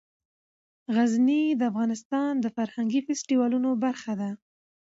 غزني د افغانستان د فرهنګي فستیوالونو برخه ده.